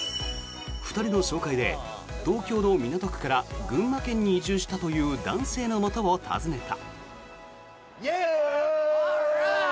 ２人の紹介で東京の港区から群馬県に移住したという男性のもとを訪ねた。